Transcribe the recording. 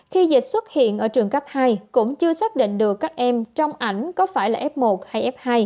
khi dịch xuất hiện ở trường cấp hai cũng chưa xác định được các em trong ảnh có phải là f một hay f hai